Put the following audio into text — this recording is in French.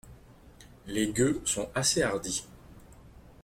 Les gueux sont assez hardis.